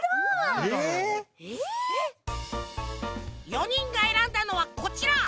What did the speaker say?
４にんがえらんだのはこちら。